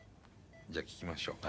じゃあ聴きましょう。